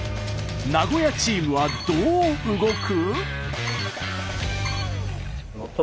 名古屋チームはどう動く？